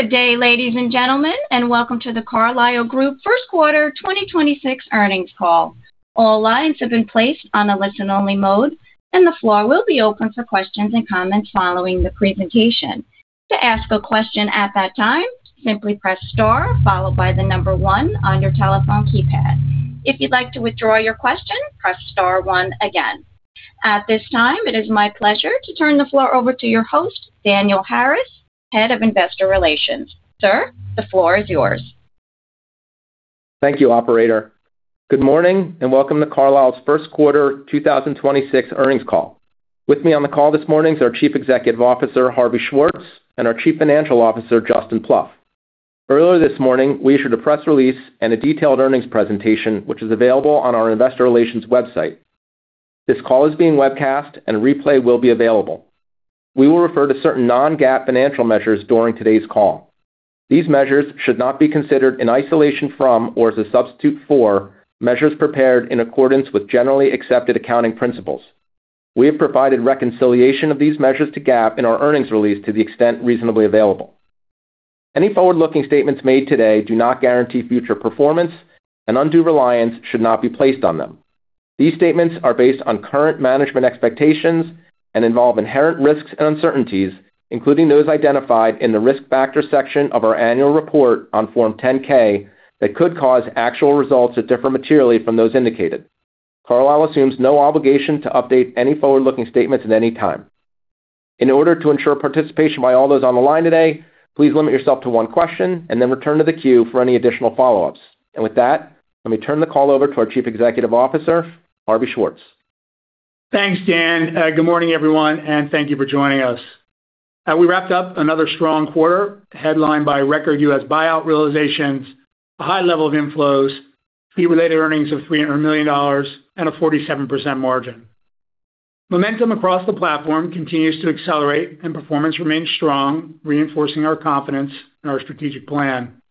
Good day, ladies and gentlemen, and welcome to The Carlyle Group first quarter 2026 earnings call. At this time, it is my pleasure to turn the floor over to your host, Daniel Harris, Head of Investor Relations. Sir, the floor is yours. Thank you, operator. Good morning and welcome to Carlyle's first quarter 2026 earnings call. With me on the call this morning is our Chief Executive Officer, Harvey Schwartz, and our Chief Financial Officer, Justin Plouffe. Earlier this morning, we issued a press release and a detailed earnings presentation, which is available on our investor relations website. This call is being webcast, and a replay will be available. We will refer to certain non-GAAP financial measures during today's call. These measures should not be considered in isolation from or as a substitute for measures prepared in accordance with generally accepted accounting principles. We have provided reconciliation of these measures to GAAP in our earnings release to the extent reasonably available. Any forward-looking statements made today do not guarantee future performance, and undue reliance should not be placed on them. These statements are based on current management expectations and involve inherent risks and uncertainties, including those identified in the risk factors section of our annual report on Form 10-K, that could cause actual results to differ materially from those indicated. Carlyle assumes no obligation to update any forward-looking statements at any time. In order to ensure participation by all those on the line today, please limit yourself to one question and then return to the queue for any additional follow-ups. With that, let me turn the call over to our Chief Executive Officer, Harvey Schwartz. Thanks, Dan. Good morning, everyone, and thank you for joining us. We wrapped up another strong quarter headlined by record U.S. buyout realizations, a high level of inflows, fee-related earnings of $300 million and a 47% margin. Momentum across the platform continues to accelerate and performance remains strong, reinforcing our confidence in our strategic plan.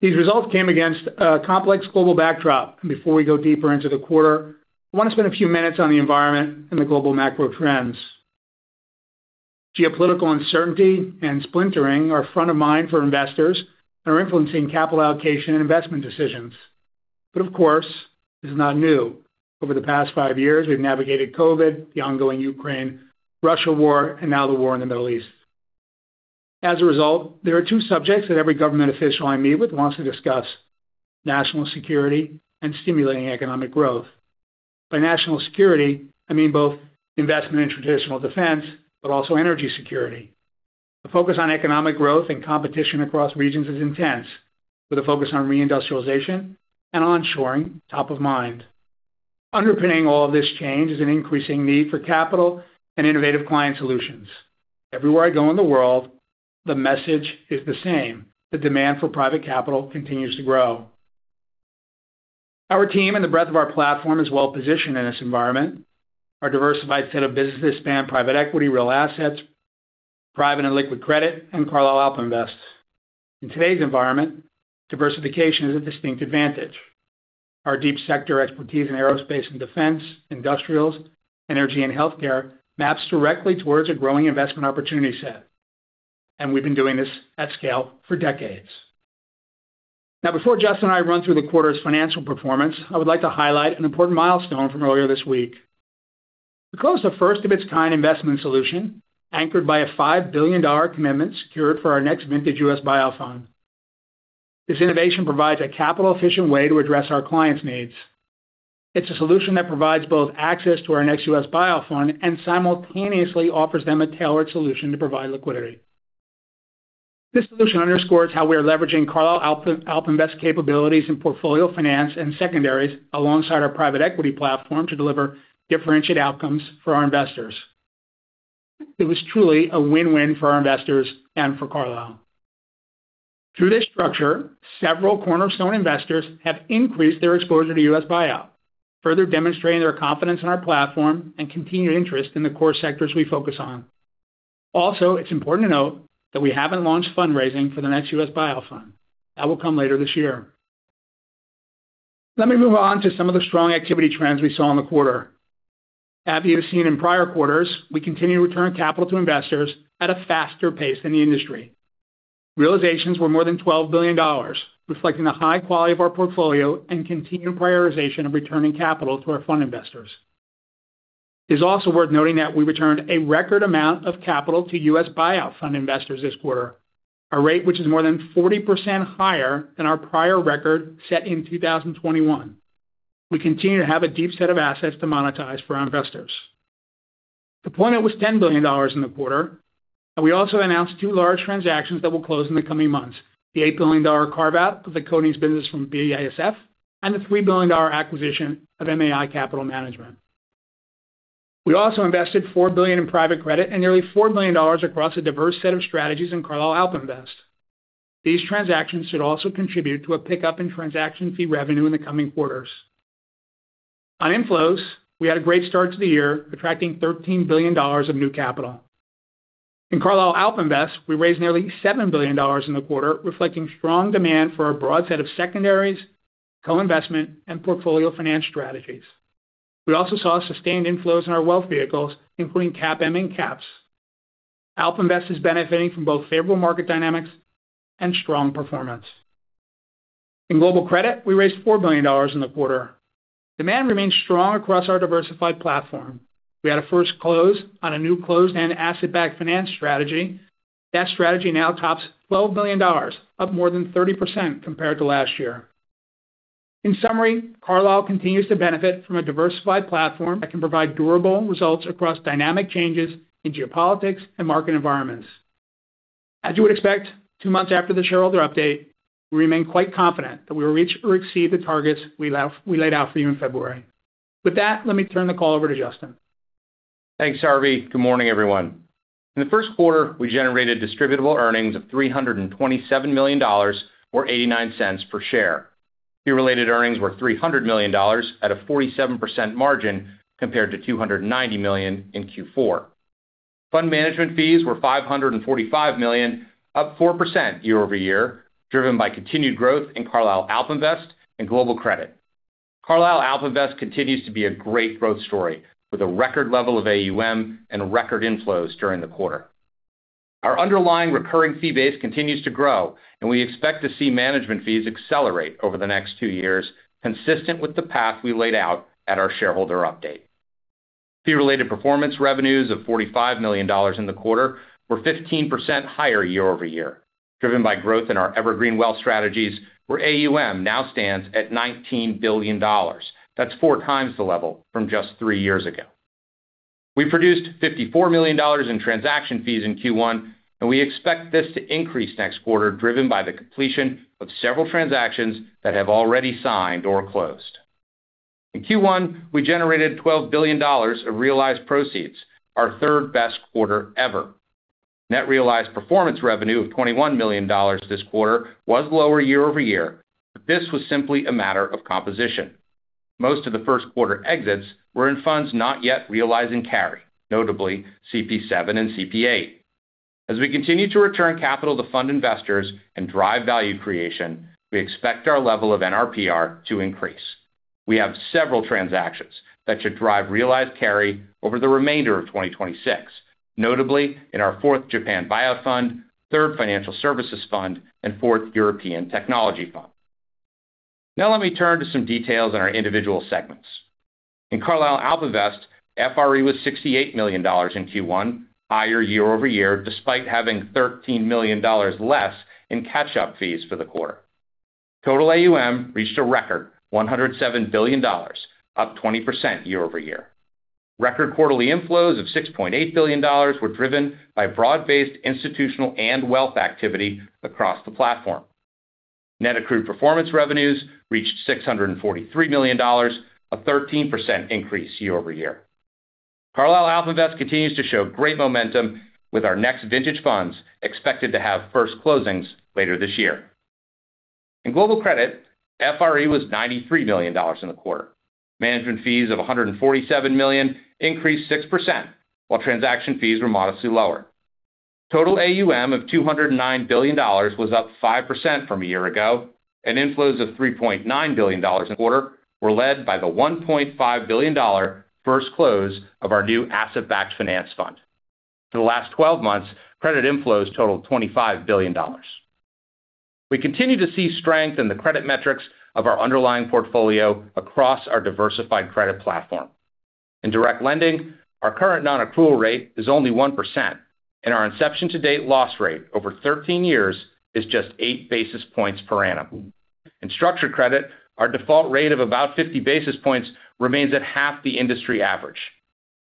These results came against a complex global backdrop. Before we go deeper into the quarter, I want to spend a few minutes on the environment and the global macro trends. Geopolitical uncertainty and splintering are front of mind for investors and are influencing capital allocation and investment decisions. Of course, this is not new. Over the past five years, we've navigated COVID, the ongoing Ukraine-Russia war, and now the war in the Middle East. As a result, there are two subjects that every government official I meet with wants to discuss: national security and stimulating economic growth. By national security, I mean both investment in traditional defense but also energy security. The focus on economic growth and competition across regions is intense, with a focus on reindustrialization and onshoring top of mind. Underpinning all of this change is an increasing need for capital and innovative client solutions. Everywhere I go in the world, the message is the same. The demand for private capital continues to grow. Our team and the breadth of our platform is well-positioned in this environment. Our diversified set of businesses span private equity, real assets, private and liquid credit, and Carlyle AlpInvest. In today's environment, diversification is a distinct advantage. Our deep sector expertise in aerospace and defense, industrials, energy, and healthcare maps directly towards a growing investment opportunity set. We've been doing this at scale for decades. Before Justin and I run through the quarter's financial performance, I would like to highlight an important milestone from earlier this week. We closed a first-of-its-kind investment solution anchored by a $5 billion commitment secured for our next vintage U.S. buyout fund. This innovation provides a capital-efficient way to address our clients' needs. It's a solution that provides both access to our next U.S. buyout fund and simultaneously offers them a tailored solution to provide liquidity. This solution underscores how we are leveraging Carlyle AlpInvest capabilities in portfolio finance and secondaries alongside our private equity platform to deliver differentiated outcomes for our investors. It was truly a win-win for our investors and for Carlyle. Through this structure, several cornerstone investors have increased their exposure to U.S. buyout, further demonstrating their confidence in our platform and continued interest in the core sectors we focus on. It's important to note that we haven't launched fundraising for the next U.S. buyout fund. That will come later this year. Let me move on to some of the strong activity trends we saw in the quarter. As you have seen in prior quarters, we continue to return capital to investors at a faster pace than the industry. Realizations were more than $12 billion, reflecting the high quality of our portfolio and continued prioritization of returning capital to our fund investors. It is also worth noting that we returned a record amount of capital to US buyout fund investors this quarter, a rate which is more than 40% higher than our prior record set in 2021. We continue to have a deep set of assets to monetize for our investors. Deployment was $10 billion in the quarter, and we also announced two large transactions that will close in the coming months: the $8 billion carve-out of the coatings business from BASF and the $3 billion acquisition of MAI Capital Management. We also invested $4 billion in private credit and nearly $4 million across a diverse set of strategies in Carlyle AlpInvest. These transactions should also contribute to a pickup in transaction fee revenue in the coming quarters. On inflows, we had a great start to the year, attracting $13 billion of new capital. In Carlyle AlpInvest, we raised nearly $7 billion in the quarter, reflecting strong demand for our broad set of secondaries, co-investment, and portfolio finance strategies. We also saw sustained inflows in our wealth vehicles, including CAPM and CAPS. AlpInvest is benefiting from both favorable market dynamics and strong performance. In global credit, we raised $4 billion in the quarter. Demand remains strong across our diversified platform. We had a first close on a new closed-end asset-backed finance strategy. That strategy now tops $12 billion, up more than 30% compared to last year. In summary, Carlyle continues to benefit from a diversified platform that can provide durable results across dynamic changes in geopolitics and market environments. As you would expect, two months after the shareholder update, we remain quite confident that we will reach or exceed the targets we laid out for you in February. With that, let me turn the call over to Justin. Thanks, Harvey. Good morning, everyone. In the first quarter, we generated Distributable Earnings of $327 million or $0.89 per share. Fee-Related Earnings were $300 million at a 47% margin compared to $290 million in Q4. Fund management fees were $545 million, up 4% year-over-year, driven by continued growth in Carlyle AlpInvest and global credit. Carlyle AlpInvest continues to be a great growth story with a record level of AUM and record inflows during the quarter. Our underlying recurring fee base continues to grow, and we expect to see management fees accelerate over the next two years, consistent with the path we laid out at our shareholder update. Fee-related performance revenues of $45 million in the quarter were 15% higher year-over-year, driven by growth in our evergreen wealth strategies, where AUM now stands at $19 billion. That's 4x the level from just three years ago. We produced $54 million in transaction fees in Q1, and we expect this to increase next quarter, driven by the completion of several transactions that have already signed or closed. In Q1, we generated $12 billion of realized proceeds, our third-best quarter ever. Net realized performance revenue of $21 million this quarter was lower year-over-year, but this was simply a matter of composition. Most of the first quarter exits were in funds not yet realizing carry, notably CP VII and CP VIII. As we continue to return capital to fund investors and drive value creation, we expect our level of NRPR to increase. We have several transactions that should drive realized carry over the remainder of 2026, notably in our Carlyle Japan Partners IV, Carlyle Global Financial Services Partners III, and Carlyle Europe Technology Partners IV. Now let me turn to some details on our individual segments. In Carlyle AlpInvest, FRE was $68 million in Q1, higher year-over-year, despite having $13 million less in catch-up fees for the quarter. Total AUM reached a record $107 billion, up 20% year-over-year. Record quarterly inflows of $6.8 billion were driven by broad-based institutional and wealth activity across the platform. Net accrued performance revenues reached $643 million, a 13% increase year-over-year. Carlyle AlpInvest continues to show great momentum with our next vintage funds expected to have first closings later this year. In global credit, FRE was $93 million in the quarter. Management fees of $147 million increased 6%, while transaction fees were modestly lower. Total AUM of $209 billion was up 5% from a year ago. Inflows of $3.9 billion in the quarter were led by the $1.5 billion first close of our new asset-backed finance fund. For the last 12 months, credit inflows totaled $25 billion. We continue to see strength in the credit metrics of our underlying portfolio across our diversified credit platform. In direct lending, our current non-accrual rate is only 1%. Our inception to date loss rate over 13 years is just eight basis points per annum. In structured credit, our default rate of about 50 basis points remains at half the industry average.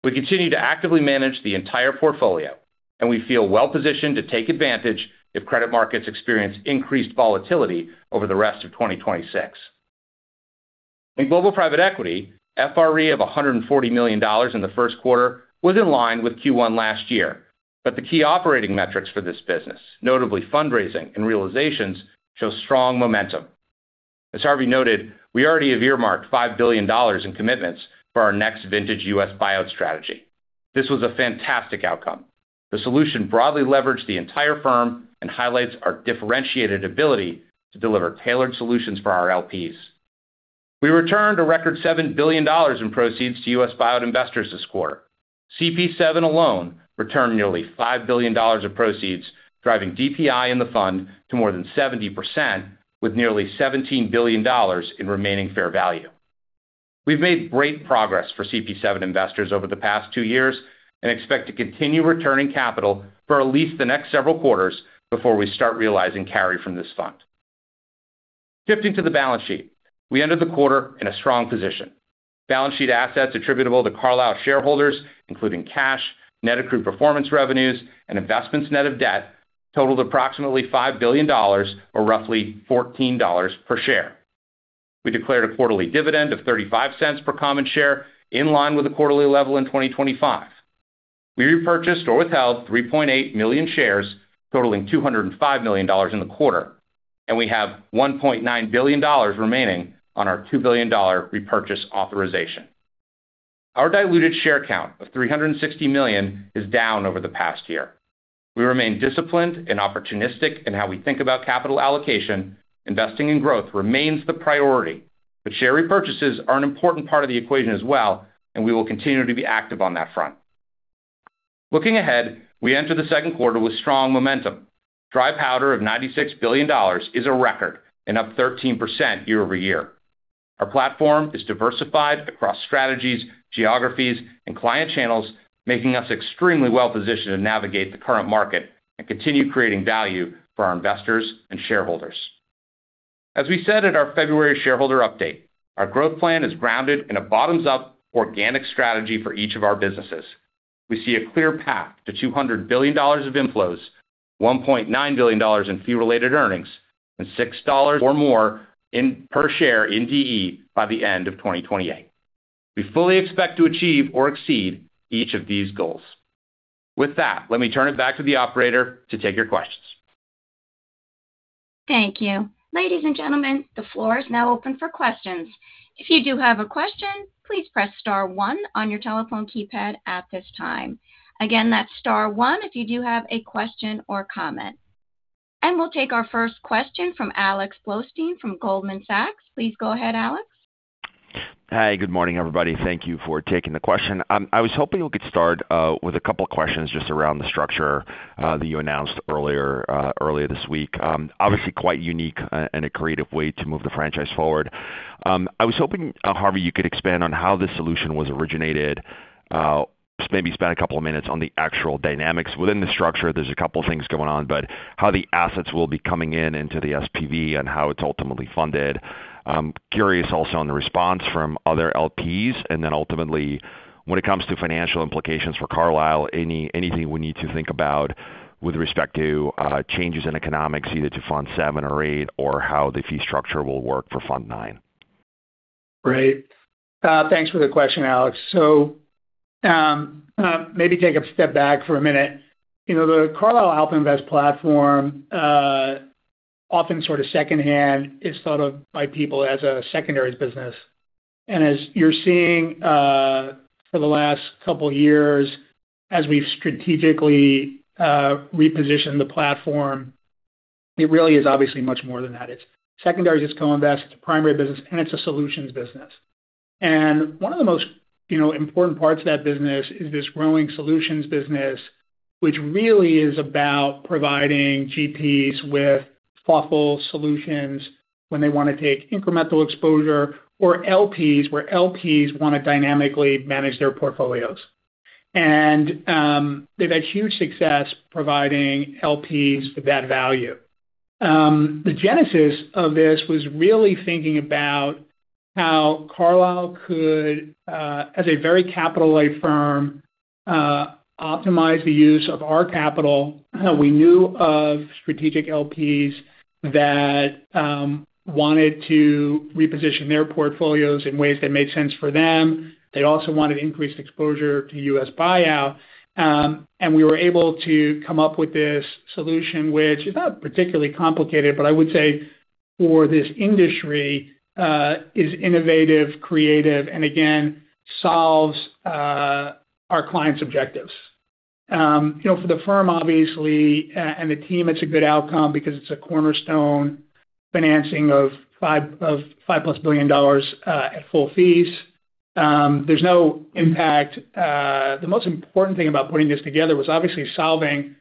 We continue to actively manage the entire portfolio, we feel well-positioned to take advantage if credit markets experience increased volatility over the rest of 2026. In global private equity, FRE of $140 million in the first quarter was in line with Q1 last year. The key operating metrics for this business, notably fundraising and realizations, show strong momentum. As Harvey noted, we already have earmarked $5 billion in commitments for our next vintage U.S. buyout strategy. This was a fantastic outcome. The solution broadly leveraged the entire firm and highlights our differentiated ability to deliver tailored solutions for our LPs. We returned a record $7 billion in proceeds to U.S. buyout investors this quarter. CP VII alone returned nearly $5 billion of proceeds, driving DPI in the fund to more than 70%, with nearly $17 billion in remaining fair value. We've made great progress for CP VII investors over the past two years and expect to continue returning capital for at least the next several quarters before we start realizing carry from this fund. Shifting to the balance sheet, we ended the quarter in a strong position. Balance sheet assets attributable to Carlyle shareholders, including cash, net accrued performance revenues, and investments net of debt totaled approximately $5 billion or roughly $14 per share. We declared a quarterly dividend of $0.35 per common share in line with the quarterly level in 2025. We repurchased or withheld 3.8 million shares totaling $205 million in the quarter, and we have $1.9 billion remaining on our $2 billion repurchase authorization. Our diluted share count of 360 million is down over the past year. We remain disciplined and opportunistic in how we think about capital allocation. Investing in growth remains the priority, but share repurchases are an important part of the equation as well, and we will continue to be active on that front. Looking ahead, we enter the second quarter with strong momentum. Dry powder of $96 billion is a record and up 13% year-over-year. Our platform is diversified across strategies, geographies, and client channels, making us extremely well-positioned to navigate the current market and continue creating value for our investors and shareholders. As we said at our February shareholder update, our growth plan is grounded in a bottoms-up organic strategy for each of our businesses. We see a clear path to $200 billion of inflows, $1.9 billion in Fee-Related Earnings, and $6 or more in per share in DE by the end of 2028. We fully expect to achieve or exceed each of these goals. With that, let me turn it back to the operator to take your questions. Thank you. Ladies and gentlemen, the floor is now open for questions. If you do have a question, please press star one on your telephone keypad at this time. Again, that's star one if you do have a question or comment. We'll take our first question from Alex Blostein from Goldman Sachs, please go ahead, Alex. Hi, good morning everybody? Thank you for taking the question. I was hoping we could start with two questions just around the structure that you announced earlier this week. Obviously quite unique and a creative way to move the franchise forward. I was hoping, Harvey, you could expand on how this solution was originated. Just maybe spend two minutes on the actual dynamics within the structure. There's two things going on, but how the assets will be coming into the SPV and how it's ultimately funded. Curious also on the response from other LPs, ultimately, when it comes to financial implications for Carlyle, anything we need to think about with respect to changes in economics, either to Fund VII or VIII, or how the fee structure will work for Fund IX. Great. Thanks for the question, Alex. Maybe take a step back for a minute. You know, the Carlyle AlpInvest platform often sort of secondhand is thought of by people as a secondaries business. As you're seeing, for the last couple years, as we've strategically repositioned the platform, it really is obviously much more than that. It's secondaries, it's co-invest, it's a primary business, and it's a solutions business. One of the most, you know, important parts of that business is this growing solutions business, which really is about providing GPs with thoughtful solutions when they wanna take incremental exposure or LPs, where LPs wanna dynamically manage their portfolios. They've had huge success providing LPs with that value. The genesis of this was really thinking about how Carlyle could, as a very capital-light firm, optimize the use of our capital. We knew of strategic LPs that wanted to reposition their portfolios in ways that made sense for them. They also wanted increased exposure to U.S. buyout. We were able to come up with this solution, which is not particularly complicated, but I would say for this industry, is innovative, creative, and again, solves our clients' objectives. You know, for the firm, obviously, and the team, it's a good outcome because it's a cornerstone financing of $5+ billion at full fees. There's no impact. The most important thing about putting this together was obviously solving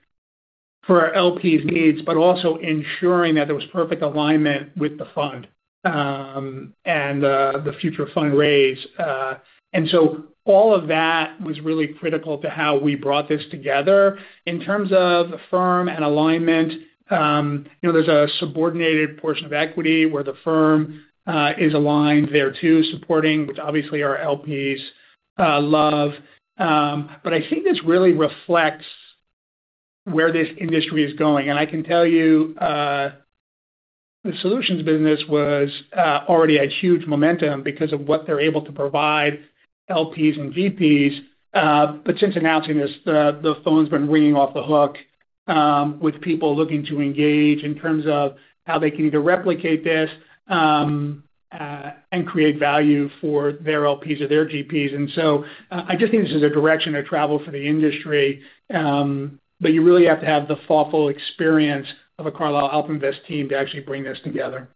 for our LPs' needs, but also ensuring that there was perfect alignment with the fund and the future fund raise. All of that was really critical to how we brought this together. In terms of the firm and alignment, you know, there's a subordinated portion of equity where the firm is aligned there too, supporting, which obviously our LPs love. I think this really reflects where this industry is going. I can tell you, the solutions business was already at huge momentum because of what they're able to provide LPs and GPs. Since announcing this, the phone's been ringing off the hook, with people looking to engage in terms of how they can either replicate this, and create value for their LPs or their GPs. I just think this is a direction of travel for the industry, but you really have to have the thoughtful experience of a Carlyle AlpInvest team to actually bring this together.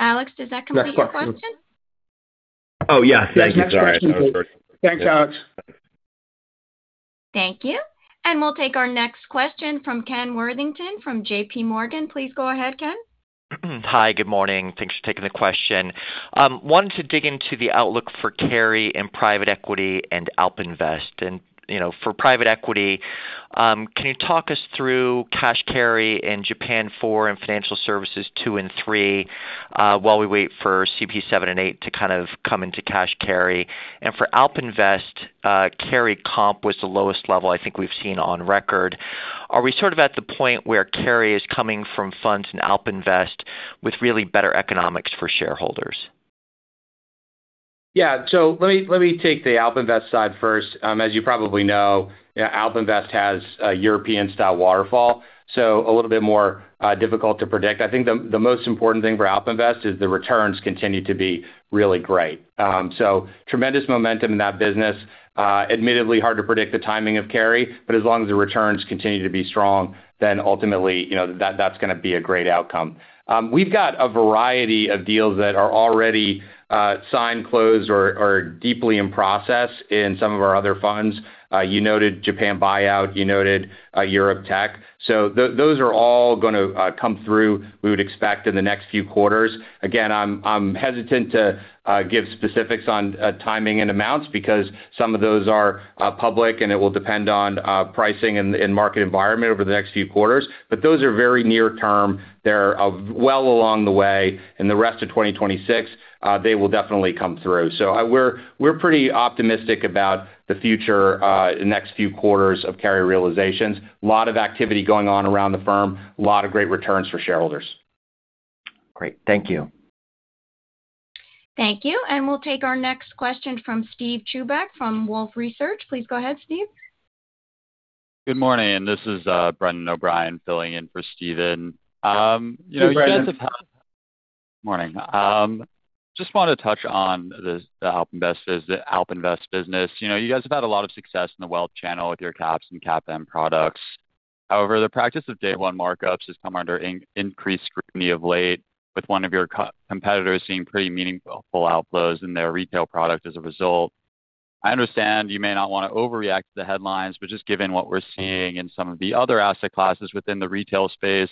Alex, does that complete your question? Oh, yes. Thank you. Sorry. Yes. Next question, please. Thanks, Alex. Thank you. We'll take our next question from Ken Worthington from JPMorgan, please go ahead, Ken. Hi, good morning? Thanks for taking the question. Wanted to dig into the outlook for Carlyle in private equity and AlpInvest. You know, for private equity, can you talk us through cash carry in Carlyle Japan Partners IV and Carlyle Global Financial Services Partners II and III while we wait for Carlyle Partners VII and VIII to kind of come into cash carry? For AlpInvest, Carlyle comp was the lowest level I think we've seen on record. Are we sort of at the point where carry is coming from funds in AlpInvest with really better economics for shareholders? Let me take the AlpInvest side first. As you probably know, yeah, AlpInvest has a European style waterfall, a little bit more difficult to predict. I think the most important thing for AlpInvest is the returns continue to be really great. Tremendous momentum in that business. Admittedly hard to predict the timing of carry, as long as the returns continue to be strong, ultimately, you know, that's gonna be a great outcome. We've got a variety of deals that are already signed, closed or deeply in process in some of our other funds. You noted Japan Buyout, you noted Europe Tech. Those are all gonna come through, we would expect in the next few quarters. Again, I'm hesitant to give specifics on timing and amounts because some of those are public, and it will depend on pricing and market environment over the next few quarters. Those are very near term. They're well along the way. In the rest of 2026, they will definitely come through. We're pretty optimistic about the future, next few quarters of carry realizations. Lot of activity going on around the firm, lot of great returns for shareholders. Great. Thank you. Thank you. We'll take our next question from Steve Chuback from Wolfe Research, please go ahead, Steve. Good morning. This is Brendan O'Brien filling in for Steven. Hey, Brendan. Morning. Just wanna touch on the AlpInvest business. You know, you guys have had a lot of success in the wealth channel with your CAPS and CAPM products. The practice of day one markups has come under increased scrutiny of late, with one of your competitors seeing pretty meaningful outflows in their retail product as a result. I understand you may not wanna overreact to the headlines, just given what we're seeing in some of the other asset classes within the retail space,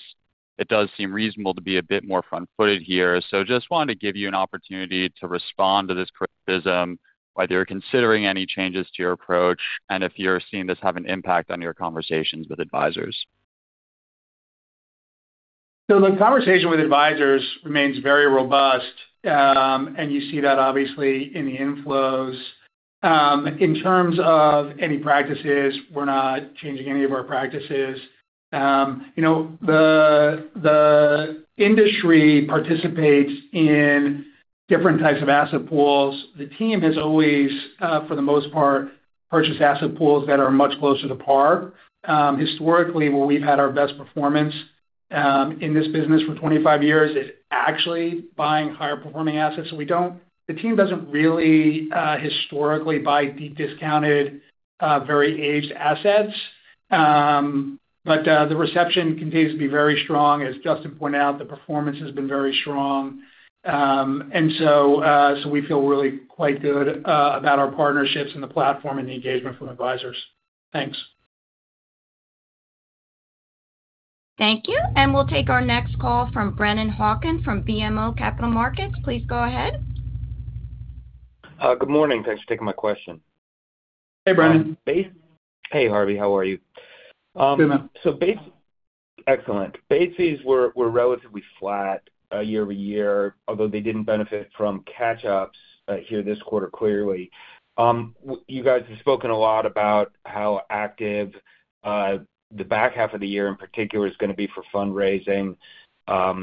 it does seem reasonable to be a bit more front-footed here. Just wanted to give you an opportunity to respond to this criticism, whether you're considering any changes to your approach, and if you're seeing this have an impact on your conversations with advisors. The conversation with advisors remains very robust, and you see that obviously in the inflows. In terms of any practices, we're not changing any of our practices. You know, the industry participates in different types of asset pools. The team has always, for the most part, purchased asset pools that are much closer to par. Historically, when we've had our best performance, in this business for 25 years is actually buying higher performing assets. The team doesn't really historically buy deep discounted, very aged assets. The reception continues to be very strong. As Justin pointed out, the performance has been very strong. We feel really quite good about our partnerships and the platform and the engagement from advisors. Thanks. Thank you. We'll take our next call from Brennan Hawken from BMO Capital Markets, please go ahead. Good morning? Thanks for taking my question. Hey, Brennan. Hey, Harvey. How are you? Good, man. Excellent. Base fees were relatively flat year-over-year, although they didn't benefit from catch-ups here this quarter, clearly. You guys have spoken a lot about how active the back half of the year in particular is going to be for fundraising,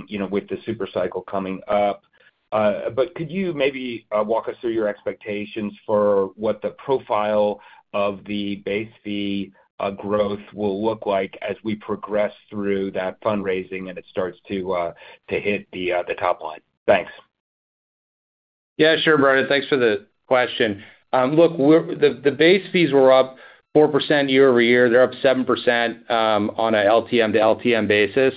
you know, with the super cycle coming up. Could you maybe walk us through your expectations for what the profile of the base fee growth will look like as we progress through that fundraising and it starts to hit the top line? Thanks. Yeah, sure, Brennan. Thanks for the question. Look, the base fees were up 4% year-over-year. They're up 7% on a LTM-to-LTM basis.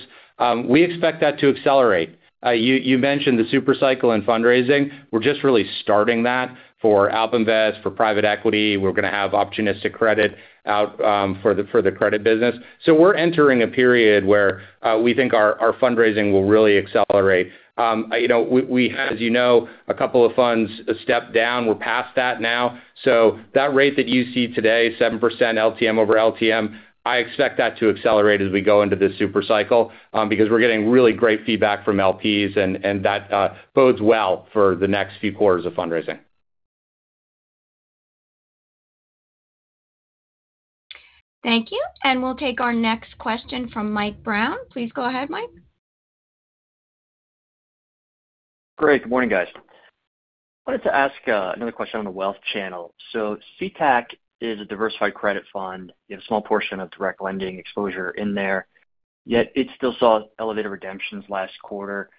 We expect that to accelerate. You mentioned the super cycle in fundraising. We're just really starting that for AlpInvest, for private equity. We're gonna have opportunistic credit out for the credit business. We're entering a period where we think our fundraising will really accelerate. You know, we had, as you know, a couple of funds step down. We're past that now. That rate that you see today, 7% LTM-over-LTM, I expect that to accelerate as we go into this super cycle because we're getting really great feedback from LPs and that bodes well for the next few quarters of fundraising. Thank you. We'll take our next question from Michael Brown, please go ahead, Mike. Great. Good morning guys? Wanted to ask another question on the wealth channel. CTAC is a diversified credit fund. You have a small portion of direct lending exposure in there, yet it still saw elevated redemptions last quarter.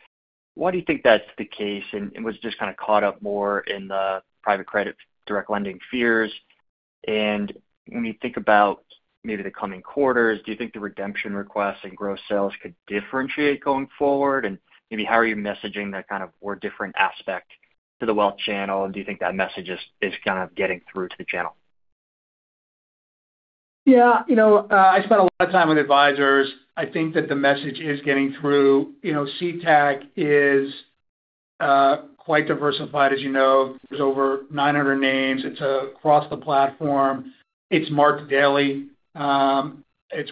Why do you think that's the case? And was it just kinda caught up more in the private credit direct lending fears? And when you think about maybe the coming quarters, do you think the redemption requests and gross sales could differentiate going forward? And maybe how are you messaging that kind of more different aspect to the wealth channel? Do you think that message is kind of getting through to the channel? Yeah. You know, I spent a lot of time with advisors. I think that the message is getting through. You know, CTAC is quite diversified, as you know. There's over 900 names. It's across the platform. It's marked daily. It's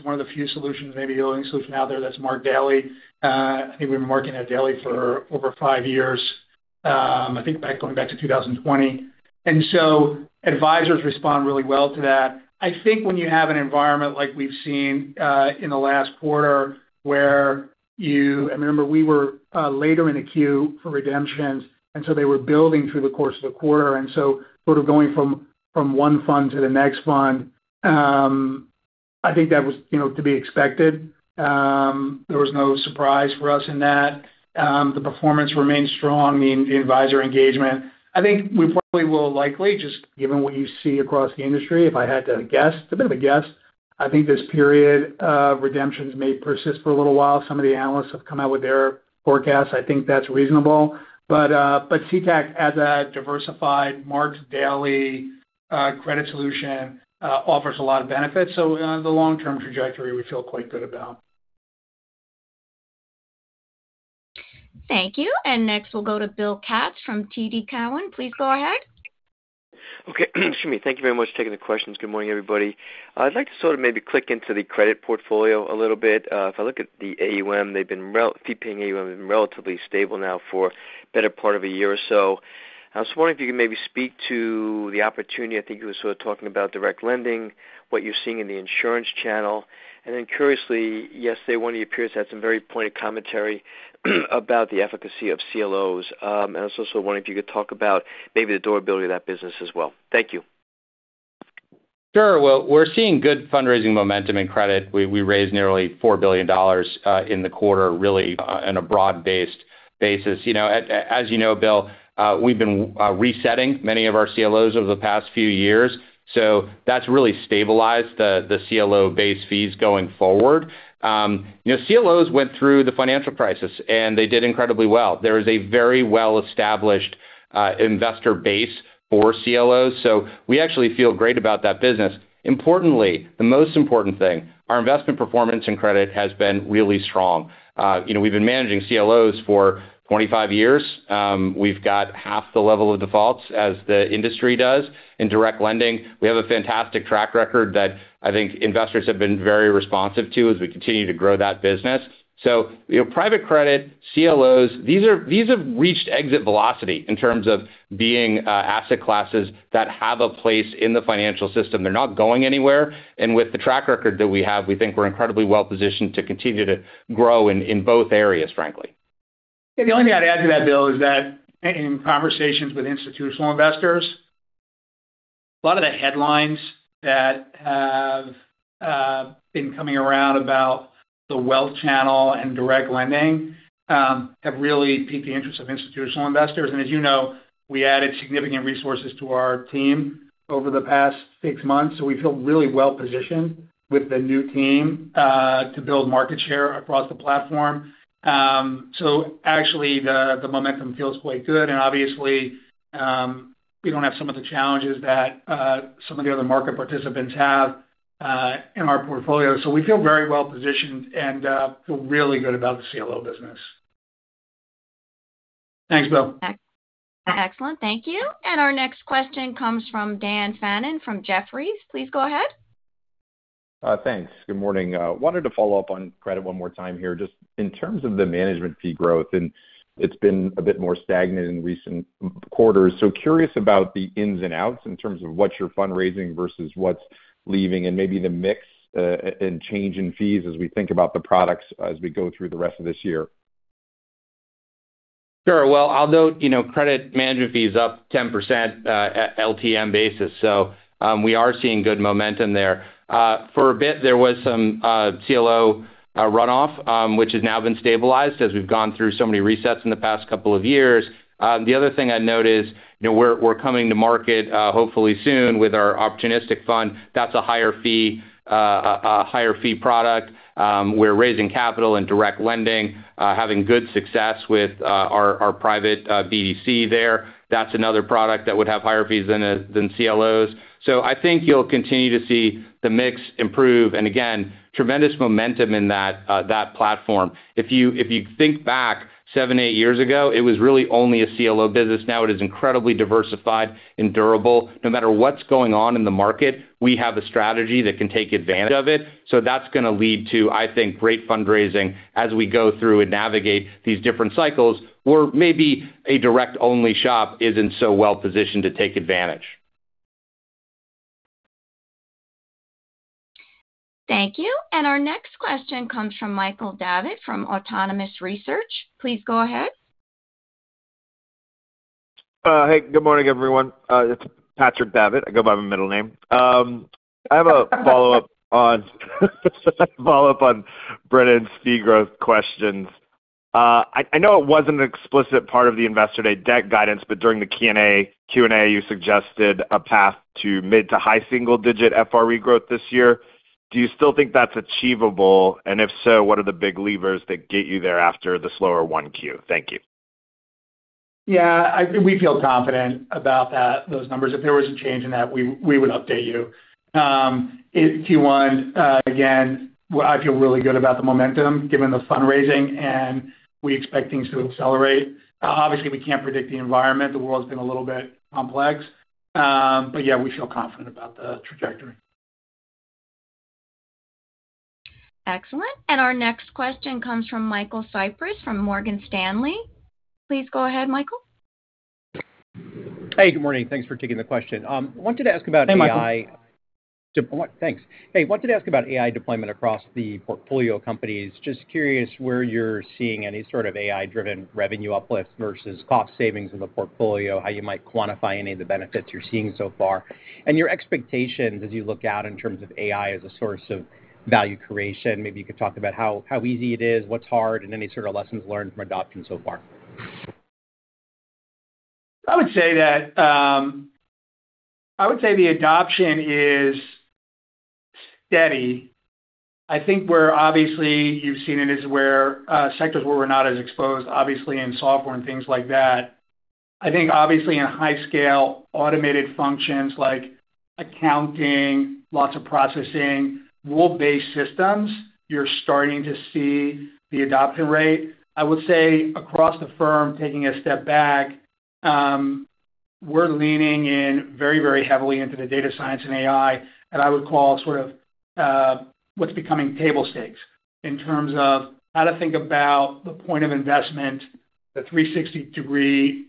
one of the few solutions, maybe the only solution out there that's marked daily. I think we've been marking it daily for over five years, I think going back to 2020. Advisors respond really well to that. I think when you have an environment like we've seen in the last quarter where remember we were later in the queue for redemptions, they were building through the course of the quarter. Sort of going from one fund to the next fund, I think that was, you know, to be expected. There was no surprise for us in that. The performance remained strong in the advisor engagement. I think we probably will likely just given what you see across the industry, if I had to guess, it's a bit of a guess. I think this period of redemptions may persist for a little while. Some of the analysts have come out with their forecasts. I think that's reasonable. CTAC as a diversified marked daily, credit solution, offers a lot of benefits. The long-term trajectory we feel quite good about. Thank you. Next, we'll go to Bill Katz from TD Cowen, please go ahead. Okay. Excuse me. Thank you very much for taking the questions. Good morning, everybody. I'd like to sort of maybe click into the credit portfolio a little bit. If I look at the AUM, they've been keeping AUM relatively stable now for better part of a year or so. I was wondering if you could maybe speak to the opportunity. I think you were sort of talking about direct lending, what you're seeing in the insurance channel. Curiously, yesterday, one of your peers had some very pointed commentary about the efficacy of CLOs. I was also wondering if you could talk about maybe the durability of that business as well. Thank you. Sure. Well, we're seeing good fundraising momentum in credit. We raised nearly $4 billion in the quarter, really, in a broad-based basis. You know, as you know, Bill, we've been resetting many of our CLOs over the past few years, so that's really stabilized the CLO base fees going forward. You know, CLOs went through the financial crisis, and they did incredibly well. There is a very well-established investor base for CLOs, so we actually feel great about that business. Importantly, the most important thing, our investment performance and credit has been really strong. You know, we've been managing CLOs for 25 years. We've got half the level of defaults as the industry does. In direct lending, we have a fantastic track record that I think investors have been very responsive to as we continue to grow that business. You know, private credit, CLOs, these have reached exit velocity in terms of being asset classes that have a place in the financial system. They're not going anywhere. With the track record that we have, we think we're incredibly well-positioned to continue to grow in both areas, frankly. Yeah. The only thing I'd add to that, Bill, is that in conversations with institutional investors, a lot of the headlines that have been coming around about the wealth channel and direct lending have really piqued the interest of institutional investors. As you know, we added significant resources to our team over the past six months, so we feel really well-positioned with the new team to build market share across the platform. Actually the momentum feels quite good. Obviously, we don't have some of the challenges that some of the other market participants have in our portfolio. We feel very well-positioned and feel really good about the CLO business. Thanks, Bill. Excellent. Thank you. Our next question comes from Daniel Fannon from Jefferies, please go ahead. Thanks. Good morning. Wanted to follow up on credit one more time here, just in terms of the management fee growth, and it's been a bit more stagnant in recent quarters. Curious about the ins and outs in terms of what you're fundraising versus what's leaving and maybe the mix, and change in fees as we think about the products as we go through the rest of this year? Sure. Well, I'll note, you know, credit management fee is up 10% at LTM basis. We are seeing good momentum there. For a bit, there was some CLO runoff, which has now been stabilized as we've gone through so many resets in the past couple of years. The other thing I'd note is, you know, we're coming to market, hopefully soon with our opportunistic fund. That's a higher fee product. We're raising capital in direct lending, having good success with our private BDC there. That's another product that would have higher fees than CLOs. I think you'll continue to see the mix improve, and again, tremendous momentum in that platform. If you think back seven, eight years ago, it was really only a CLO business. Now it is incredibly diversified and durable. No matter what's going on in the market, we have a strategy that can take advantage of it. That's gonna lead to, I think, great fundraising as we go through and navigate these different cycles, where maybe a direct-only shop isn't so well positioned to take advantage. Thank you. Our next question comes from Michael Davitt from Autonomous Research, please go ahead. Hey, good morning, everyone. It's Patrick Davitt. I go by my middle name. I have a follow-up on Brennan's fee growth questions. I know it wasn't an explicit part of the Investor Day debt guidance, but during the Q&A, you suggested a path to mid to high single-digit FRE growth this year. Do you still think that's achievable? If so, what are the big levers that get you there after the slower 1Q? Thank you. Yeah, we feel confident about that, those numbers. If there was a change in that, we would update you. In Q1, again, well, I feel really good about the momentum, given the fundraising, and we expect things to accelerate. Obviously, we can't predict the environment. The world's been a little bit complex. Yeah, we feel confident about the trajectory. Excellent. Our next question comes from Michael Cyprys from Morgan Stanley, pease go ahead, Michael. Hey, good morning. Thanks for taking the question. I wanted to ask about AI- Hey, Michael. What? Thanks. Hey, wanted to ask about AI deployment across the portfolio companies. Just curious where you're seeing any sort of AI-driven revenue uplifts versus cost savings in the portfolio, how you might quantify any of the benefits you're seeing so far, and your expectations as you look out in terms of AI as a source of value creation. Maybe you could talk about how easy it is, what's hard, and any sort of lessons learned from adoption so far. I would say the adoption is steady. I think we're obviously, you've seen it, is where sectors where we're not as exposed, obviously in software and things like that. I think obviously in high-scale automated functions like accounting, lots of processing, rule-based systems, you're starting to see the adoption rate. I would say across the firm, taking a step back, we're leaning in very, very heavily into the data science and AI that I would call sort of what's becoming table stakes in terms of how to think about the point of investment, the 360-degree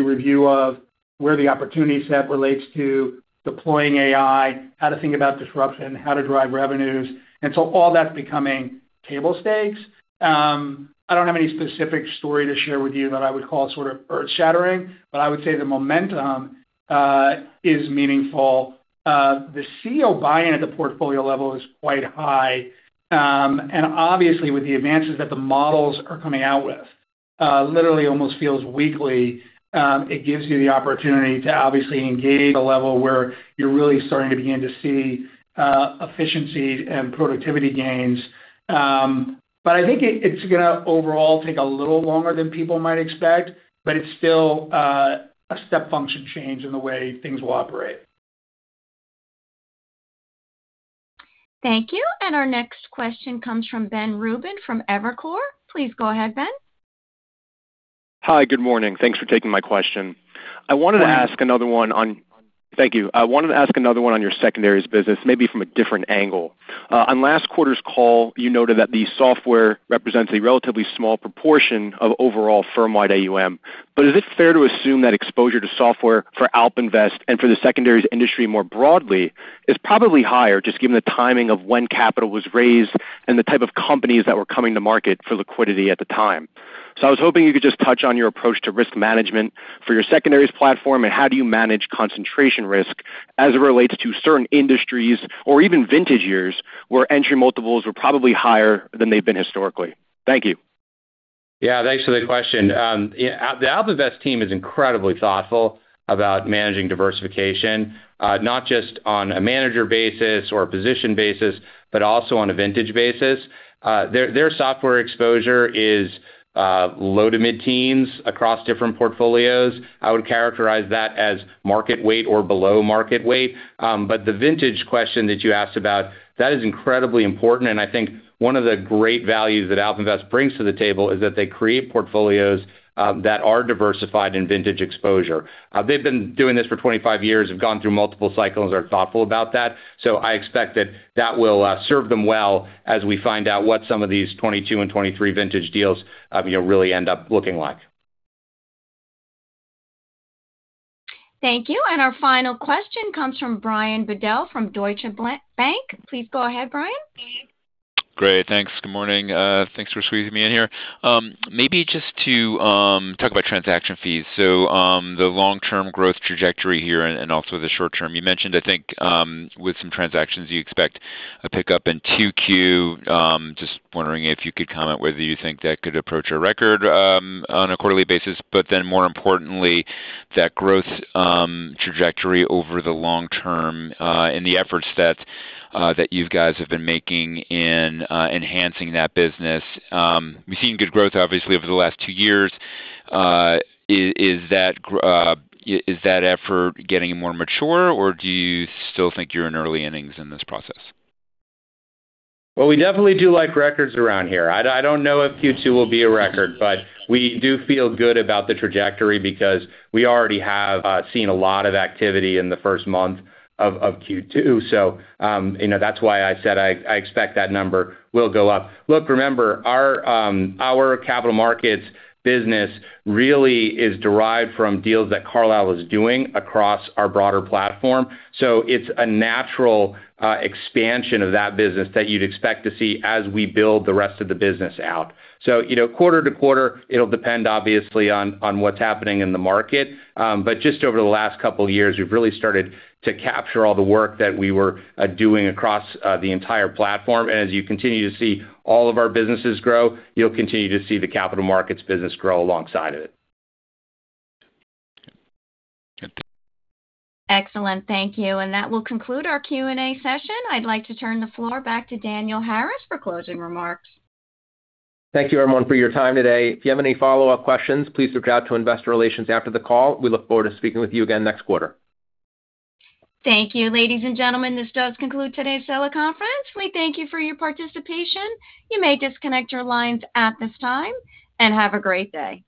review of where the opportunity set relates to deploying AI, how to think about disruption, how to drive revenues. All that's becoming table stakes. I don't have any specific story to share with you that I would call sort of earth-shattering, but I would say the momentum is meaningful. The Chief Executive Officer buy-in at the portfolio level is quite high. Obviously with the advances that the models are coming out with, literally almost feels weekly, it gives you the opportunity to obviously engage a level where you're really starting to begin to see efficiency and productivity gains. I think it's gonna overall take a little longer than people might expect, but it's still a step function change in the way things will operate. Thank you. Our next question comes from Ben Rubin from Evercore, please go ahead, Ben. Hi, good morning. Thanks for taking my question. Morning. Thank you. I wanted to ask another one on your secondaries business, maybe from a different angle. On last quarter's call, you noted that the software represents a relatively small proportion of overall firm-wide AUM. Is it fair to assume that exposure to software for AlpInvest and for the secondaries industry more broadly is probably higher, just given the timing of when capital was raised and the type of companies that were coming to market for liquidity at the time? I was hoping you could just touch on your approach to risk management for your secondaries platform, and how do you manage concentration risk as it relates to certain industries or even vintage years where entry multiples were probably higher than they've been historically? Thank you. Thanks for the question. The AlpInvest team is incredibly thoughtful about managing diversification, not just on a manager basis or a position basis, but also on a vintage basis. Their software exposure is low to mid-teens across different portfolios. I would characterize that as market weight or below market weight. The vintage question that you asked about, that is incredibly important, and I think one of the great values that AlpInvest brings to the table is that they create portfolios that are diversified in vintage exposure. They've been doing this for 25 years, have gone through multiple cycles, are thoughtful about that, so I expect that that will serve them well as we find out what some of these 2022 and 2023 vintage deals, you know, really end up looking like. Thank you. Our final question comes from Brian Bedell from Deutsche Bank, please go ahead, Brian. Great, thanks. Good morning? Thanks for squeezing me in here. Maybe just to talk about transaction fees. The long-term growth trajectory here and also the short term. You mentioned I think, with some transactions you expect a pickup in 2Q. Just wondering if you could comment whether you think that could approach a record on a quarterly basis, then more importantly, that growth trajectory over the long term, and the efforts that you guys have been making in enhancing that business. We've seen good growth obviously over the last two years. Is that effort getting more mature, or do you still think you're in early innings in this process? Well, we definitely do like records around here. I don't know if Q2 will be a record, but we do feel good about the trajectory because we already have seen a lot of activity in the first month of Q2. You know, that's why I said I expect that number will go up. Look, remember, our capital markets business really is derived from deals that Carlyle is doing across our broader platform. It's a natural expansion of that business that you'd expect to see as we build the rest of the business out. You know, quarter to quarter, it'll depend obviously on what's happening in the market. Just over the last two years, we've really started to capture all the work that we were doing across the entire platform. As you continue to see all of our businesses grow, you'll continue to see the capital markets business grow alongside it. Excellent. Thank you. That will conclude our Q&A session. I'd like to turn the floor back to Daniel Harris for closing remarks. Thank you everyone for your time today. If you have any follow-up questions, please reach out to investor relations after the call. We look forward to speaking with you again next quarter. Thank you. Ladies and gentlemen, this does conclude today's teleconference. We thank you for your participation, you may disconnect your lines at this time. Have a great day.